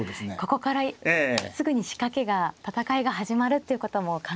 ここからすぐに仕掛けが戦いが始まるっていうことも考えられますね。